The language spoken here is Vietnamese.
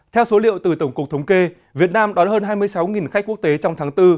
theo số liệu từ tổng cục thống kê việt nam đón hơn hai mươi sáu khách quốc tế trong tháng bốn